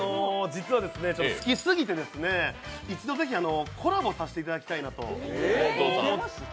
実は、好きすぎて一度ぜひコラボさせていただきたいなと。